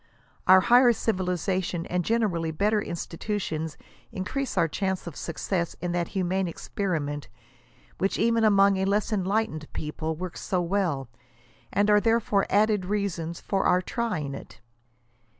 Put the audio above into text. Our higher civiliza tion and generally better institutions increase our chances of success in that humane experiment, which, even among a less enlightened people, works so well ; and are therefore added reasons for our try ing it.